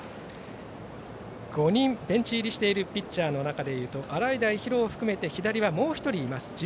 ５人、ベンチ入りしているピッチャーの中で言うと洗平比呂を含めて左はもう１人います。